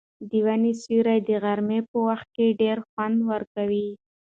د ونې سیوری د غرمې په وخت کې ډېر خوند ورکوي.